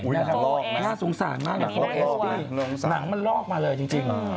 อุ้ยมันลอกนะน่าสงสารมากเลยโพสนี่มันลอกมาเลยจริง